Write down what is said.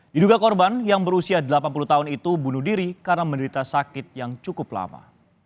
diduga korban yang berusia delapan puluh tahun itu bunuh diri karena menderita sakit yang cukup lama